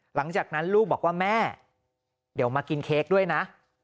หลังจากนั้นลูกบอกว่าแม่เดี๋ยวมากินเค้กด้วยนะ